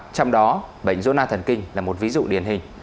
trong đó bệnh gon thần kinh là một ví dụ điển hình